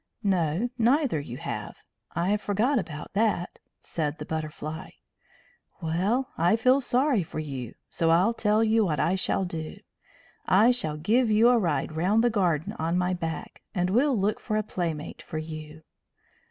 "No, neither you have! I forgot about that," said the Butterfly. "Well, I feel sorry for you, so I'll tell you what I shall do. I shall give you a ride round the garden on my back, and we'll look for a playmate for you."